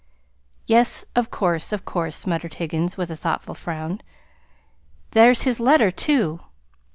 "Yes, of course, of course," muttered Higgins, with a thoughtful frown. "There's his letter, too.